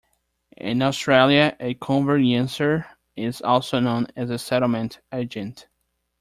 In Australia, a conveyancer is also known as a Settlement Agent.